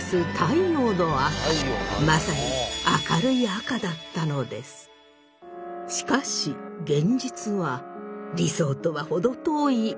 まさにしかし現実は理想とは程遠い赤。